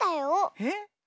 えっ？